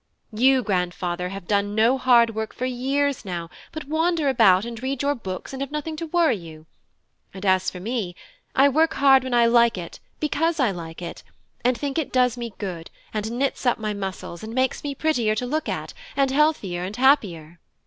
You, grandfather, have done no hard work for years now, but wander about and read your books and have nothing to worry you; and as for me, I work hard when I like it, because I like it, and think it does me good, and knits up my muscles, and makes me prettier to look at, and healthier and happier.